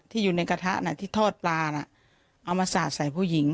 อยู่ในกระทะที่ทอดปลาน่ะเอามาสาดใส่ผู้หญิง